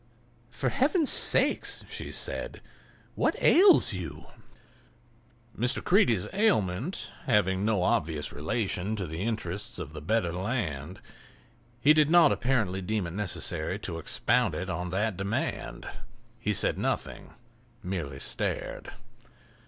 "For Heaven's sake," she said, "what ails you?" Mr. Creede's ailment having no obvious relation to the interests of the better land he did not apparently deem it necessary to expound it on that demand; he said nothing—merely stared.